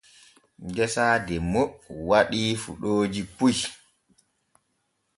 Geesa demmo waɗii fuɗooji puy.